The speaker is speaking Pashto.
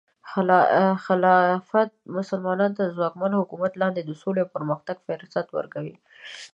خلافت مسلمانانو ته د ځواکمن حکومت لاندې د سولې او پرمختګ فرصت ورکوي.